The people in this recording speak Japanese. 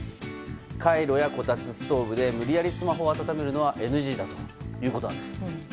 カイロやこたつ、ストーブで無理やりスマホを温めるのはＮＧだということです。